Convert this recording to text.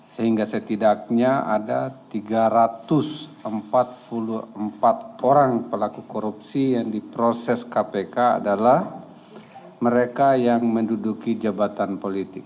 sehingga setidaknya ada tiga ratus empat puluh empat orang pelaku korupsi yang diproses kpk adalah mereka yang menduduki jabatan politik